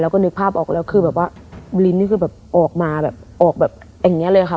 เราก็นึกภาพออกแล้วคือแบบว่าลิ้นนี่คือออกมาแบบออกแบบแอบเนี้ยเลยอะค่ะ